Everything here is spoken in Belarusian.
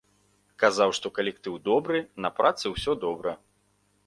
Казаў, што калектыў добры, на працы усё добра.